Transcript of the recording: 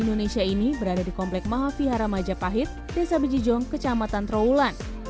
indonesia ini berada di komplek mahavihara majapahit desa bejijong kecamatan trawulan